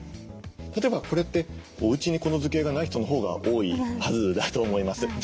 例えばこれっておうちにこの図形がない人のほうが多いはずだと思います。